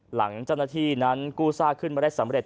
หลังเจ้าหน้าที่นั้นกู้ซากขึ้นมาได้สำเร็จ